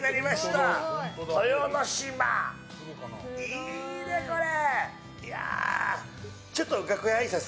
いいね、これ！